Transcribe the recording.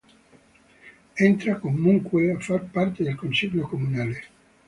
Entra comunque a far parte del consiglio comunale.